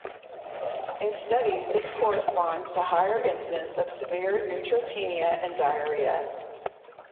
In studies this corresponds to higher incidences of severe neutropenia and diarrhea.